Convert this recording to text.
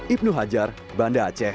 ibnu hajar banda aceh